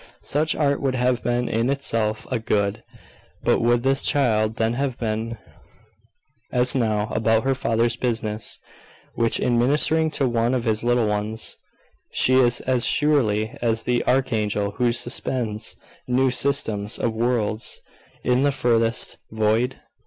Such art would have been in itself a good; but would this child then have been, as now, about her Father's business, which, in ministering to one of his little ones, she is as surely as the archangel who suspends new systems of worlds in the furthest void?